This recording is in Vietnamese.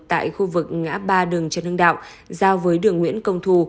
tại khu vực ngã ba đường trần hưng đạo giao với đường nguyễn công thù